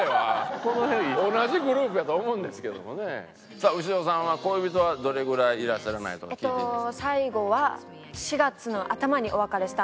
さあ潮さんは恋人はどれぐらいいらっしゃらないとか聞いていいですか？